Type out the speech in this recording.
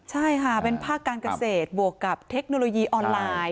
ใช่ค่ะเป็นภาคการเกษตรบวกกับเทคโนโลยีออนไลน์